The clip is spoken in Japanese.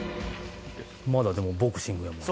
「まだでもボクシングやもんな」